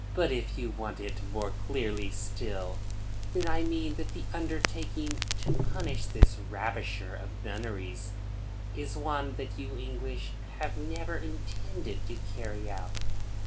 "But if you want it more clearly still, then I mean that the undertaking to punish this ravisher of nunneries is one that you English have never intended to carry out.